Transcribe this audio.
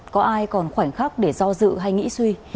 có ai còn khoảnh khắc để do dự hay nghĩ suy